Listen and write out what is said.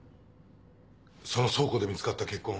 その倉庫で見つかった血痕